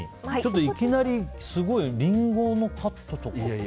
いきなりすごいリンゴのカットとか。